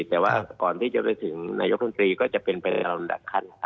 แต่ว่าก่อนที่จะไปถึงนายกรัฐมนตรีก็จะเป็นเป็นรายลักษณ์คัน